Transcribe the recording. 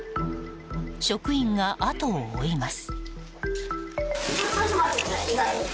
職員があとを追います。